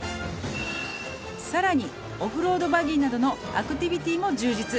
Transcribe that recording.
「さらにオフロードバギーなどのアクティビティーも充実」